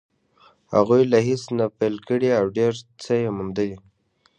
هغوی له هېڅ نه پيل کړی او ډېر څه يې موندلي.